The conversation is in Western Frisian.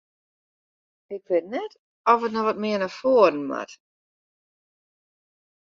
Ik wit net oft it noch wat mear nei foaren moat?